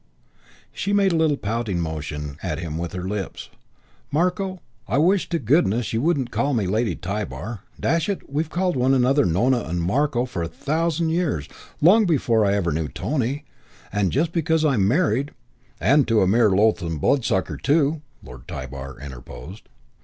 She made a little pouting motion at him with her lips. "Marko, I wish to goodness you wouldn't call me Lady Tybar. Dash it, we've called one another Nona and Marko for about a thousand years, long before I ever knew Tony. And just because I'm married " "And to a mere loathsome bloodsucker, too," Lord Tybar interposed.